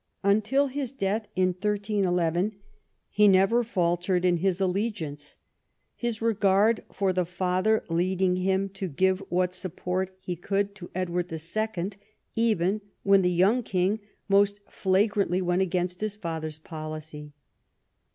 Until his death in 1311, he never faltered in his allegiance; his regard for the father leading him to give what support he could to Edward II., even when the young king most flagrantly went against his father's policy.